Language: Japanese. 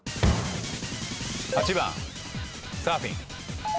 ８番サーフィン。